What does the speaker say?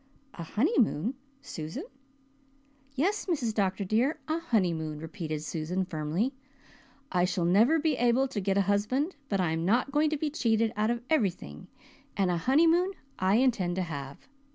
"A honeymoon, Susan?" "Yes, Mrs. Dr. dear, a honeymoon," repeated Susan firmly. "I shall never be able to get a husband but I am not going to be cheated out of everything and a honeymoon I intend to have.